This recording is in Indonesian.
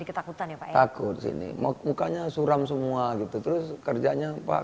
ketakutan ya pak takut sini mau mukanya suram semua gitu terus kerjanya pak